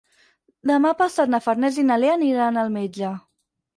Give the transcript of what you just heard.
Demà passat na Farners i na Lea aniran al metge.